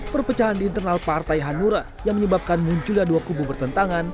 perpecahan di internal partai hanura yang menyebabkan munculnya dua kubu bertentangan